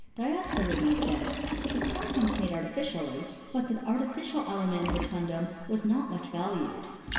Dioscorides says, that it was sometimes made artificially ; but that the artificial alumen rotun dum was not much valued.